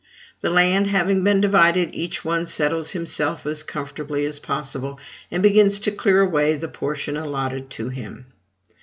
The land having been divided, each one settles himself as comfortably as possible, and begins to clear away the portion allotted to him.